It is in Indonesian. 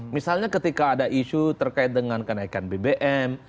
misalnya ketika ada isu terkait dengan kenaikan bbm